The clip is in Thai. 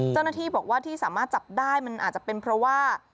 เจ้าหน้าที่บอกว่าที่สามารถจับได้มันอาจจะเป็นเพราะว่า